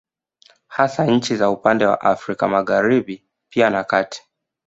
Hasa nchi za upande wa Afrika Magharibi pia na kati